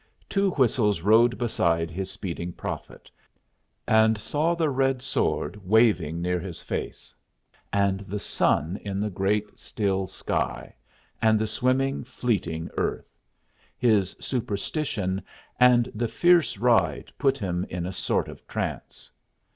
Two Whistles rode beside his speeding prophet, and saw the red sword waving near his face, and the sun in the great still sky, and the swimming, fleeting earth. His superstition and the fierce ride put him in a sort of trance.